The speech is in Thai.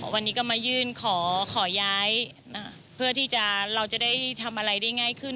วันนี้ก็มายื่นขอย้ายเพื่อที่เราจะได้ทำอะไรได้ง่ายขึ้น